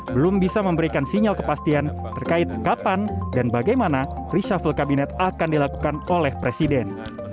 belum bisa memberikan sinyal kepastian terkait kapan dan bagaimana reshuffle kabinet akan dilakukan oleh presiden